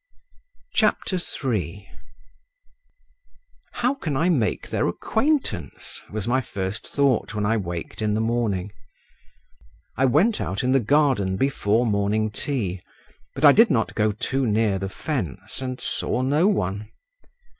III "How can I make their acquaintance?" was my first thought when I waked in the morning. I went out in the garden before morning tea, but I did not go too near the fence, and saw no one.